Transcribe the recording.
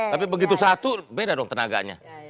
tapi begitu satu beda dong tenaganya